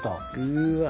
うわ。